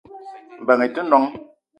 Mbeng i te noong